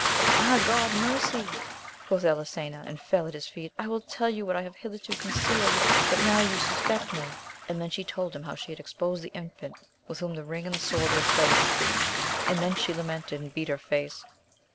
Ah God, mercy ! quoth Elisena, and fell at his feet. I will tell you what I have hitherto concealed,* but now you suspect me ! And then she told him how she had exposed the infant, with whom the ring and the sword were placed ; and then she lamented, and beat her face.